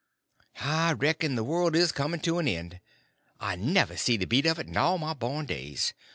"I reckon the world is coming to an end. I never see the beat of it in all my born days.